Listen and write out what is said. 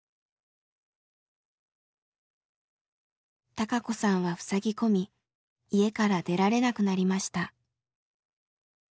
孝子さんはふさぎ込み家から出られなくなりました。